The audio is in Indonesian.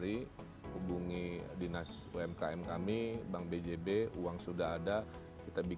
ini kita juga dari